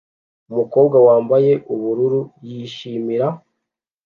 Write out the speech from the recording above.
Umukobwa wambaye ubururu yishimira